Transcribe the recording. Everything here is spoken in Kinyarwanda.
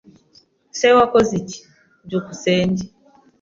S] Wakoze iki? byukusenge